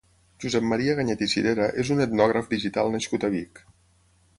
Josep Maria Ganyet i Cirera és un etnògraf digital nascut a Vic.